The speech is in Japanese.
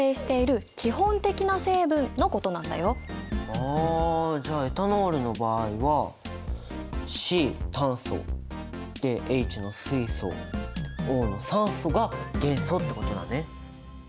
あじゃあエタノールの場合はＣ炭素でＨの水素Ｏの酸素が元素ってことだね。